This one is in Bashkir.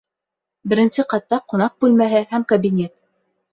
Беренсе ҡатта ҡунаҡ бүлмәһе һәм кабинет